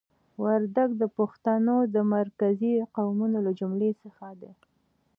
وردګ د پښتنو د مرکزي قومونو له جملې څخه دي.